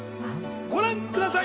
ご覧ください。